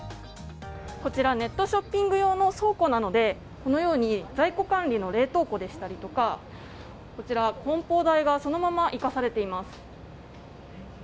こちらネットショッピング用の倉庫なのでこのように在庫管理の冷凍庫でしたりとかこちら、梱包台がそのまま生かされています。